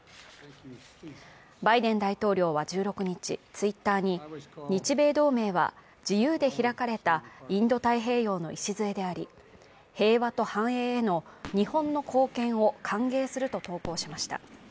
バイデン大統領は１６日Ｔｗｉｔｔｅｒに、日米同盟は自由で開かれたインド太平洋の礎であり、平和と繁栄への日本の貢献を歓迎すると投稿しました。